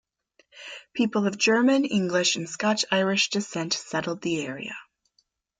People of German, English, and Scotch-Irish descent settled the area.